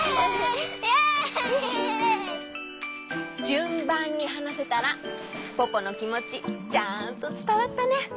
じゅんばんにはなせたらポポのきもちちゃんとつたわったね！